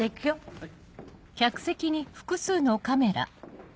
はい。